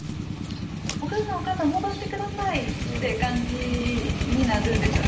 「お母さんお母さん戻して下さい」って感じになるんですよね。